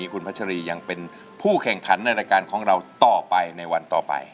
คุณพัชรียังเป็นผู้แข่งขันในรายการของเราต่อไปในวันต่อไป